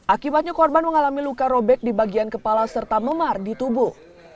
akibatnya korban mengalami luka robek di bagian kepala serta memar di tubuh